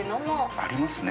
ありますね。